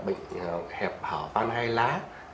bệnh hẹp hở van hai lá